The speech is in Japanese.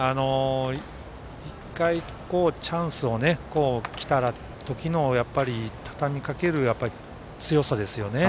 １回、チャンスがきた時のたたみかける強さですよね。